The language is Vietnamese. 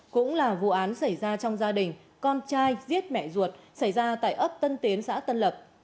cũng là vụ án xảy ra trong gia đình con trai giết mẹ ruột xảy ra tại ấp tân tiến xã tân lập